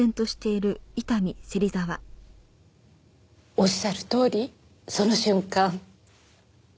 おっしゃるとおりその瞬間